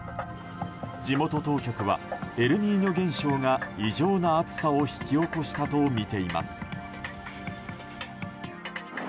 地元当局はエルニーニョ現象が異常な暑さを引き起こしたとみています。